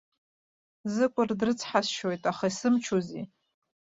Ӡыкәыр дрыцҳасшьоит, аха исымчузеи.